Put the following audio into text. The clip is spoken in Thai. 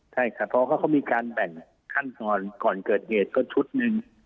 ใช่ค่ะเพราะว่าเขามีการแบ่งขั้นตอนก่อนเกิดเหตุก็ชุดหนึ่ง